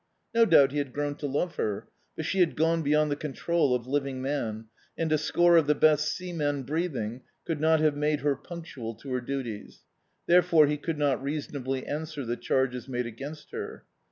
No doubt he had grown to love her, but she had gone beyond the control of living man, and a score of the best seamen breathing could not have made her punctual to her duties; therefore he amid not reas<M ably answer the charges made against her.